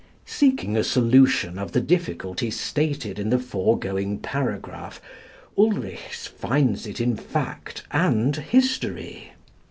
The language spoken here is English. Seeking a solution of the difficulty stated in the foregoing paragraph, Ulrichs finds it in fact and history.